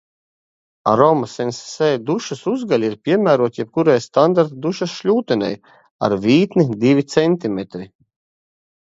Aroma Sense dušas uzgaļi ir piemēroti jebkurai standarta dušas šļūtenei ar vītni divi centimetri